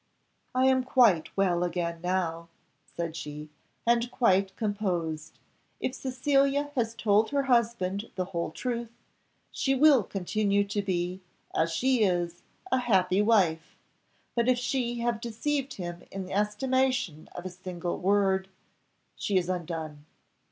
"I am quite well again now," said she, "and quite composed. If Cecilia has told her husband the whole truth, she will continue to be, as she is, a happy wife; but if she have deceived him in the estimation of a single word she is undone.